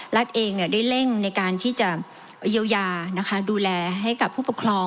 รัฐเองได้เร่งในการที่จะเยียวยาดูแลให้กับผู้ปกครอง